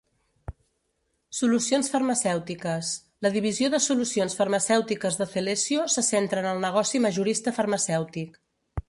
Solucions farmacèutiques: la Divisió de Solucions Farmacèutiques de Celesio se centra en el negoci majorista farmacèutic.